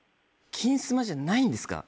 「金スマ」じゃないんですか？